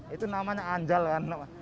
itu namanya anjal kan